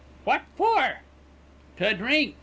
"What for?" "To drink."